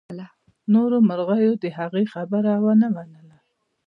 نورو مرغیو د هغې خبره ونه منله.